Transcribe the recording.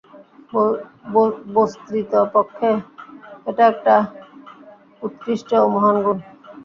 বস্তৃত পক্ষে এটা একটা উৎকৃষ্ট ও মহান গুণ।